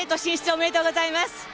ありがとうございます。